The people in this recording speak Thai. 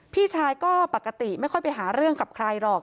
พี่ชายก็ปกติไม่ค่อยไปหาเรื่องกับใครหรอก